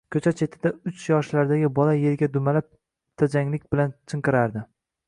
Ko‘cha chetida uch yoshlardagi bola yerga dumalab tajanglik bilan chinqirardi.